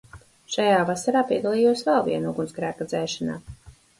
Šajā vasarā piedalījos vēl viena ugunsgrēka dzēšanā.